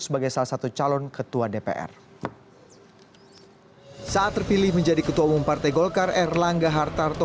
sebagai salah satu calon ketua dpr saat terpilih menjadi ketua umum partai golkar erlangga hartarto